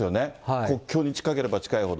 国境に近ければ近いほど。